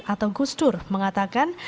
atau gusdur mengatakan